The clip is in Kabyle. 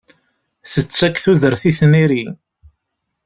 Tettak tudert i tniri.